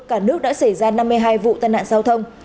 cả nước đã xảy ra năm mươi hai vụ tai nạn giao thông